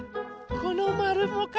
このまるもか。